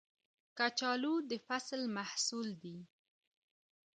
کچالو د فصل محصول دی